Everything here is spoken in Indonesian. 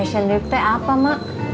fashion week teh apa mak